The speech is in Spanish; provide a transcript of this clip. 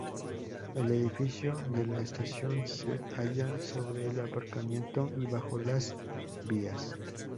El edificio de la estación se halla sobre el aparcamiento y bajo las vías.